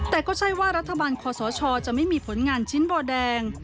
แต่ก็ใช่ว่ารัฐบาลคอสชจะไม่มีผลงานชิ้นบ่อแดง